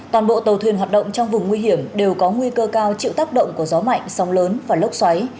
toàn bộ tàu thuyền hoạt động trong vùng nguy hiểm đều có nguy cơ cao chịu tác động của gió mạnh sông lớn và lốc xoáy